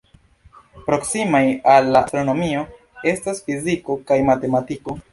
Proksimaj al la astronomio estas fiziko kaj matematiko.